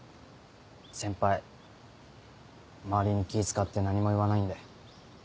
先輩周りに気使って何も言わないんで。